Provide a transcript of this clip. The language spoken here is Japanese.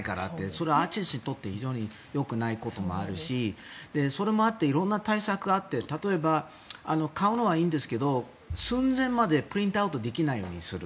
それはアーティストにとって非常によくないこともあるしそれもあって色んな対策があって例えば買うのはいいんですけど寸前までプリントアウトできないようにする。